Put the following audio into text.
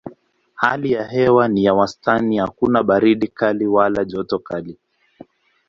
Hali ya hewa ni ya wastani hakuna baridi kali wala joto kali.